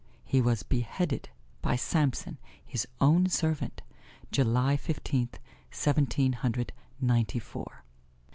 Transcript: He was beheaded by Samson, his own servant, July Fifteenth, Seventeen Hundred Ninety four.